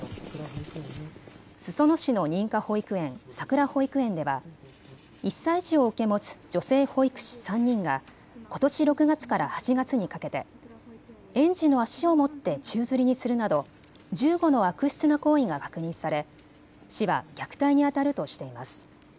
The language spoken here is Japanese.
裾野市の認可保育園さくら保育園では１歳児を受け持つ女性保育士３人がことし６月から８月にかけて園児の足を持って宙づりにするなど１５の悪質な行為が確認され市は虐待にあたるとしています。